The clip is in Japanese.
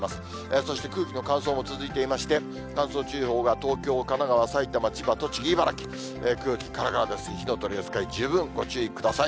そして空気の乾燥も続いていまして、乾燥注意報が東京、神奈川、埼玉、千葉、栃木、茨城、空気からからです、火の取り扱い、十分ご注意ください。